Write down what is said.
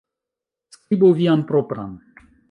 Skribu vian propran